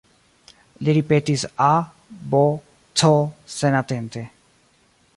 Li ripetis, A, B, C, senatente.